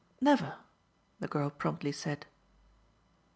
"Never," the girl promptly said.